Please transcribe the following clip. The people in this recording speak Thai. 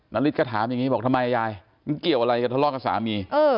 นาริสก็ถามอย่างนี้บอกทำไมยายมันเกี่ยวอะไรกับทะเลาะกับสามี